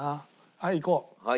はいいこう。